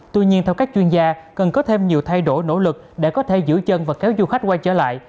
tuy nhiên theo các chuyên gia cần có thêm nhiều thay đổi nỗ lực để có thể giữ chân và kéo du khách quay trở lại